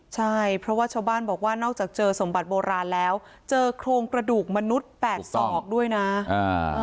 ใช่เพราะว่าชาวบ้านบอกว่านอกจากเจอสมบัติโบราณแล้วเจอโครงกระดูกมนุษย์แปดศอกด้วยนะอ่า